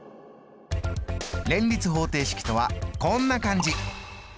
連立方程式とはこんな感じ。